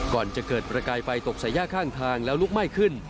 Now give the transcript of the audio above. ก่อนจะเกิดประกายไฟตกใส่ย่าข้างทางแล้วลุกไหม้ขึ้น